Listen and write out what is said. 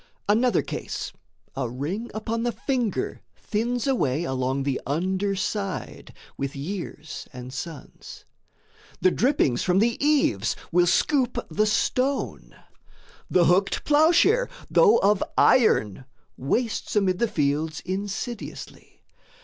Another case: A ring upon the finger thins away Along the under side, with years and suns; The drippings from the eaves will scoop the stone; The hooked ploughshare, though of iron, wastes Amid the fields insidiously.